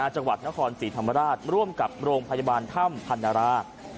จังหวัดนครศรีธรรมราชร่วมกับโรงพยาบาลถ้ำพันรา